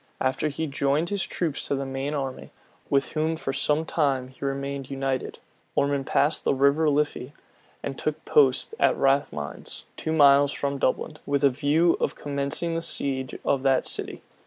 After he had joined his troops to the main army, with whom for some time he remained united, Ormond passed the River Liffy, and took post at Rathmines, two miles from Dublin, with a view of commencing the siege of that city.